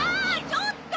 ちょっと！